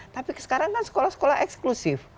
tapi sekarang kan sekolah sekolah eksklusif